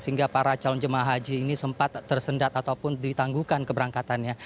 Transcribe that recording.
sehingga para calon jemaah haji ini sempat tersendat ataupun ditangguhkan keberangkatannya